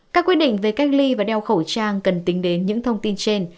các quy định về cách ly và đeo khẩu trang cần tính đến những thông tin trên